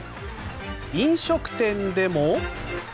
飲食店でも。